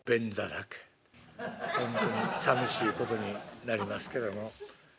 ほんとにさみしいことになりますけども。